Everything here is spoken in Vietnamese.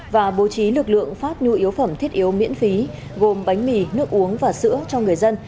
và bố trí lực lượng phát nhu yếu phẩm thiết yếu miễn phí gồm bánh mì nước uống và sữa cho người dân